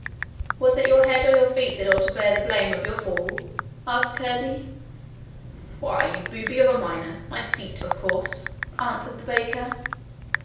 'Was it your head or your feet that ought to bear the blame of your fall?' asked Curdie. 'Why, you booby of a miner! My feet, of course,' answered the baker.